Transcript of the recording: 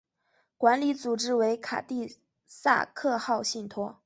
管理组织为卡蒂萨克号信托。